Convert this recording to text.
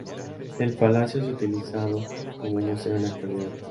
El palacio es utilizado como museo en la actualidad.